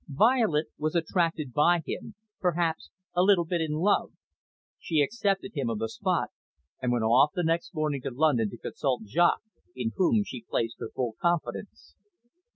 Violet was attracted by him, perhaps a little bit in love. She accepted him on the spot, and went off the next morning to London to consult Jaques, in whom she placed her full confidence.